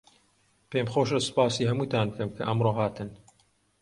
پێم خۆشە سپاسی هەمووتان بکەم کە ئەمڕۆ هاتن.